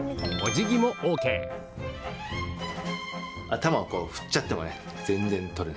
頭をこう振っちゃってもね。